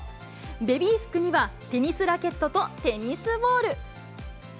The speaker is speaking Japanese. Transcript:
ベビー服には、テニスラケットとテニスボール。